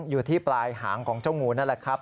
อยู่ที่ปลายหางของเจ้างูนั่นแหละครับ